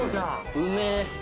うめえ。